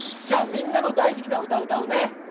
じゃあみんなの大好きな歌を歌うね。